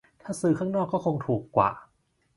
ถ้าซื้อข้างนอกก็คงถูกกว่า